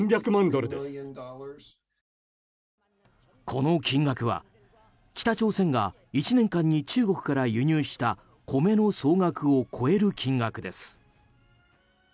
この金額は、北朝鮮が１年間に中国から輸入した米の総額を超える金額です。